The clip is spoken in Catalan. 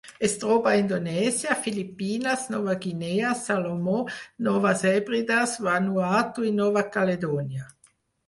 Es troba a Indonèsia, Filipines, Nova Guinea, Salomó, Noves Hèbrides, Vanuatu i Nova Caledònia.